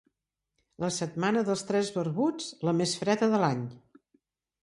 La setmana dels tres barbuts, la més freda de l'any.